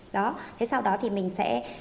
đó thế sau đó thì mình sẽ